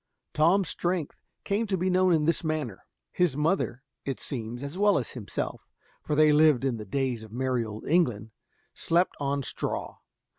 Tom's strength came to be known in this manner: his mother, it seems, as well as himself, for they lived in the days of merry old England, slept upon straw.